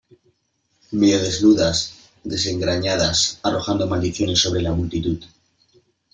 medio desnudas , desgreñadas , arrojando maldiciones sobre la multitud ,